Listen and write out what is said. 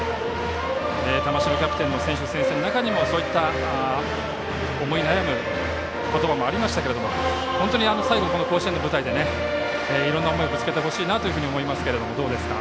玉城キャプテンの選手宣誓の中にもそうした思い悩む言葉もありましたが本当に最後、この甲子園の舞台でいろんな思いをぶつけてほしいなと思いますね。